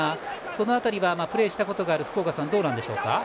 その辺りはプレーしたことがある福岡さんどうなんでしょうか。